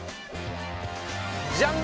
じゃん！